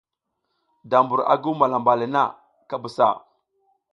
Da mbur a guw malamba le na, ka busa.